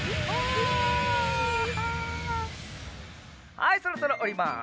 はいそろそろおります。